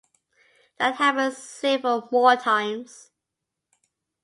That happened several more times.